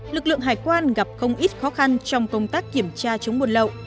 lực lượng hải quan gặp không ít khó khăn trong công tác kiểm tra chống buôn lậu